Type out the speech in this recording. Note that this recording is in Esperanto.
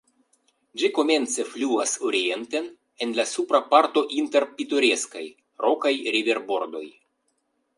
Ĝi komence fluas orienten, en la supra parto inter pitoreskaj, rokaj riverbordoj.